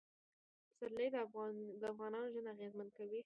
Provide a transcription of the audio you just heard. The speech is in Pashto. پسرلی د افغانانو ژوند اغېزمن کوي.